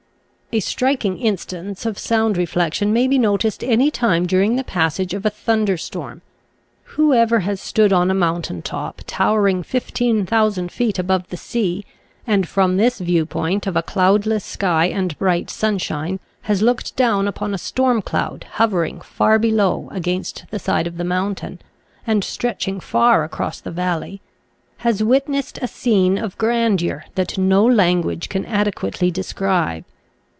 A striking instance of sound reflection may be noticed any time during the passage of a thunderstorm. Whoever has stood on a moun tain top towering 15,000 feet above the sea and from this view point of a cloudless sky and bright sunshine has looked down upon a storm cloud hovering far below against the side of the mountain, and stretching far across the valley, has witnessed a scene of grandeur that no language can adequately describe.